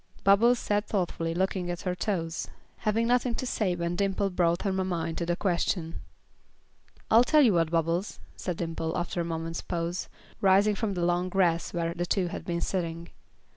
Bubbles sat thoughtfully looking at her toes, having nothing to say when Dimple brought her mamma into the question. "I'll tell you what, Bubbles," said Dimple, after a moment's pause, rising from the long grass where the two had been sitting.